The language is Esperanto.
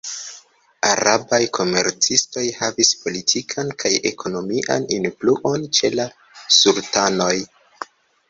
Arabaj komercistoj havis politikan kaj ekonomian influon ĉe la sultanoj.